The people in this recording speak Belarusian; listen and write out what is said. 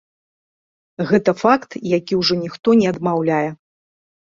Гэта факт, які ўжо ніхто не адмаўляе.